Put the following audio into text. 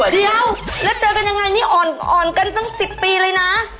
เดี๋ยวแล้วเจอกันยังไงนี่อ่อนกันตั้ง๑๐ปีเลยนะ